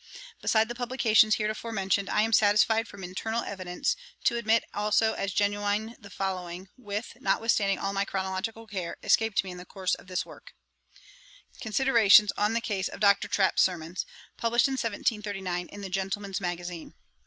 Beside the publications heretofore mentioned, I am satisfied, from internal evidence, to admit also as genuine the following, which, notwithstanding all my chronological care, escaped me in the course of this work: 'Considerations on the Case of Dr. Trapp's Sermons,' + published in 1739, in the Gentleman's Magazine.